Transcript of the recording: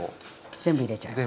全部入れちゃいます。